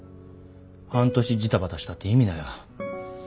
半年ジタバタしたって意味ないわ。